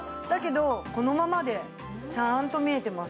どこのままでちゃんと見えてます。